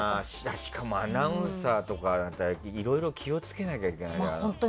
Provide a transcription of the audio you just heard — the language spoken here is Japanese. しかもアナウンサーだったらいろいろ気をつけなきゃいけないから。